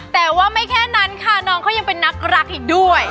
แต่ว่าไม่แค่นั้นค่ะน้องเขายังเป็นนักรักอีกด้วย